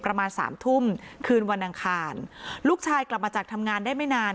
ประมาณสามทุ่มคืนวันอังคารลูกชายกลับมาจากทำงานได้ไม่นาน